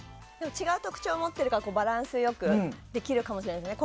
違う特徴を持っているからバランスよくできるかもしれないですね。